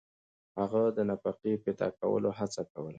هغه د نفقې پیدا کولو هڅه کوله.